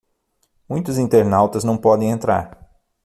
Muitos internautas não podem entrar